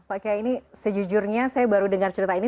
pak kiai ini sejujurnya saya baru dengar cerita ini